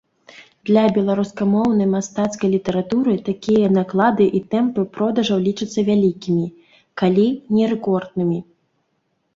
Для беларускамоўнай мастацкай літаратуры такія наклады і тэмпы продажаў лічацца вялікімі, калі не рэкорднымі.